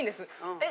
えっ。